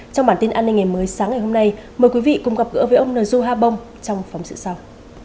trong bản tin an ninh ngày mới sáng ngày hôm nay mời quý vị cùng gặp gỡ với ông nội dung ha bông trong phóng sự sau